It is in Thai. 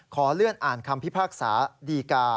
ขอเลื่อนอ่านคำพิพากษาดีกา